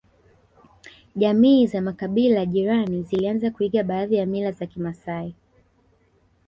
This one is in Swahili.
Jamii za makabila jirani zilianza kuiga baadhi ya mila za kimasai